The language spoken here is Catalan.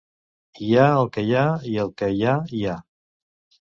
Hi ha el que hi ha, i el que hi ha, hi ha.